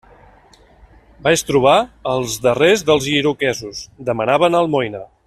Vaig trobar els darrers dels iroquesos: demanaven almoina.